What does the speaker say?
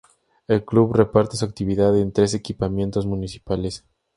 El club reparte su actividad en tres equipamientos municipales.